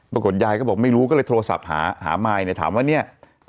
ปรากฏยายก็บอกไม่รู้ก็เลยโทรศัพท์หามายถามว่าเนี่ย